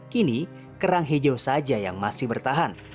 kini kerang hijau saja yang masih bertahan